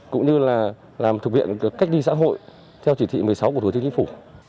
cũng như là làm thực hiện cách ly xã hội theo chỉ thị một mươi sáu của thủ tướng chính phủ